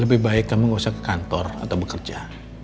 lebih baik kami nggak usah ke kantor atau bekerja